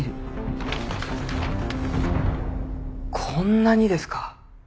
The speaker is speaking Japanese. こんなにですか。